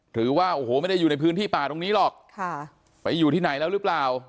หรือว่าโอ้โหไม่ได้อยู่ในพื้นที่ป่าตรงนี้หรอกค่ะไปอยู่ที่ไหนแล้วหรือเปล่า